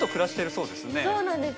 そうなんです。